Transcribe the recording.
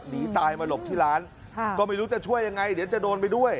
หนีตายมาหลบที่ร้านก็ไม่รู้จะช่วยยังไงเดี๋ยวจะโดนไปด้วย